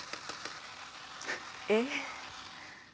えっ？